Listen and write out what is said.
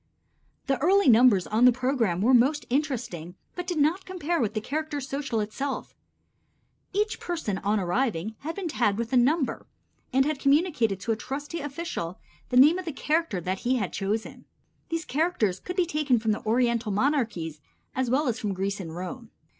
The early numbers on the program were most interesting, but did not compare with the character social itself. Each person on arriving had been tagged with a number and had communicated to a trusty official the name of the character that he had chosen. These characters could be taken from the Oriental monarchies as well as from Greece and Rome.